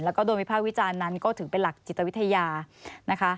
แล้วก็โดนวิภาควิจารณ์นั้นก็ถือเป็นหลักจิตวิทยานะคะ